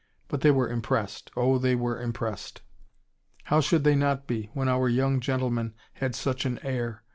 But they were impressed. Oh, they were impressed! How should they not be, when our young gentlemen had such an air!